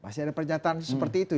masih ada pernyataan seperti itu ya